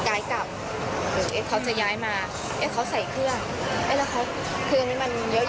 เขาจะย้ายมาเขาใส่เครื่องเครื่องนี้มันเยอะแยะไปหมดเลย